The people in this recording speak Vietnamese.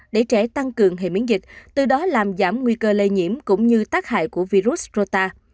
để trẻ tăng cường hệ miễn dịch từ đó làm giảm nguy cơ lây nhiễm cũng như tác hại của virus rota